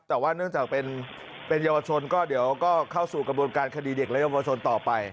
แต่ว่าเนื่องจากเป็นเยาวชนก็เดี๋ยวก็เข้าสู่กระบวนการคดีเด็กและเยาวชนต่อไป